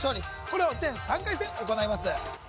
これを全３回戦行います